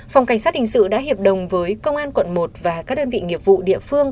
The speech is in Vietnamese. phòng cảnh sát hình sự đã hiệp đồng với công an quận một và các đơn vị nghiệp vụ địa phương